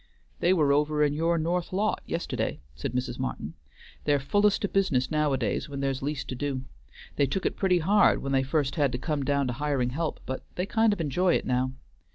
"They were over in your north lot yisterday," said Mrs. Martin. "They're fullest o' business nowadays when there's least to do. They took it pretty hard when they first had to come down to hiring help, but they kind of enjoy it now.